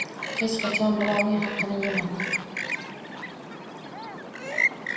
– Hech qachon birovning xaqqini yema!